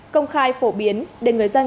công khai phổ biến để người dân